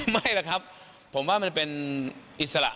ไม่แหละครับผมว่ามันเป็นอิสระ